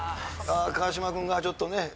ああ川島君がちょっとね。